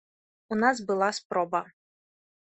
У нас была спроба.